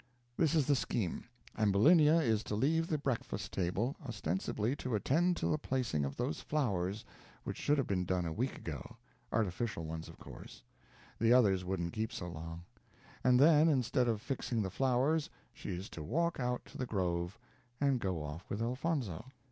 This is the scheme. Ambulinia is to leave the breakfast table, ostensibly to "attend to the placing of those flowers, which should have been done a week ago" artificial ones, of course; the others wouldn't keep so long and then, instead of fixing the flowers, she is to walk out to the grove, and go off with Elfonzo.